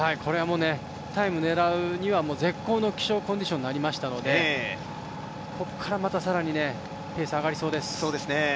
タイムを狙うには絶好の気象コンディションとなりましたのでここから更に、ペースが上がりそうです。